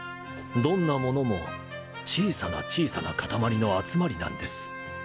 どんなものも小さな小さなかたまりの集まりなんです